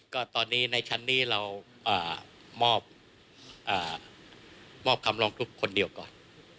ก็ตอนนี้ในชั้นนี้เรามอบคำร้องทุกข์คนเดียวก่อน